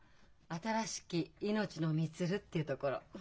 「新しき命の満つる」っていうところ。